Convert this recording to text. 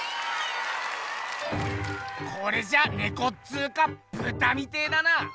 これじゃネコっつうかブタみてえだな！